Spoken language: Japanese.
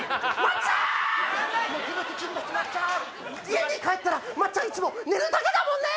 家に帰ったら松ちゃんいつも寝るだけだもんね！